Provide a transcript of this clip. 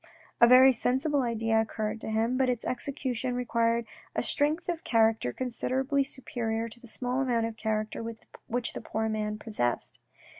A very sensible idea occurred to him, but its execution required a strength of character considerably superior to the small amount of character which the poor man possessed.